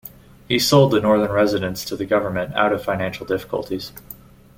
He sold the Northern Residence to the government out of financial difficulties.